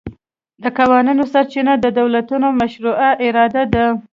د قوانینو سرچینه د دولتونو مشروعه اراده ده